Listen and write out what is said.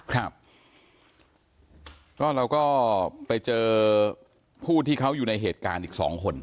ครับก็เราก็ไปเจอผู้ที่เขาอยู่ในเหตุการณ์อีกสองคน